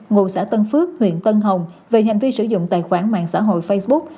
ngụ xã tân phước huyện tân hồng về hành vi sử dụng tài khoản mạng xã hội facebook